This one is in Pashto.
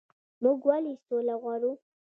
موږ ولې سوله غواړو؟